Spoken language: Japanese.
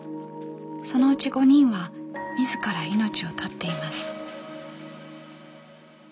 そのうち５人は自ら命を絶っています。